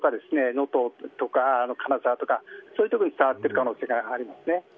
能登とか金沢とかそういった所に伝わっている可能性がありますね。